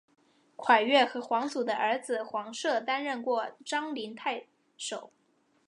蒯越和黄祖的儿子黄射担任过章陵太守。